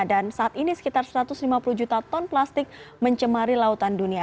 dan saat ini sekitar satu ratus lima puluh juta ton plastik mencemari lautan dunia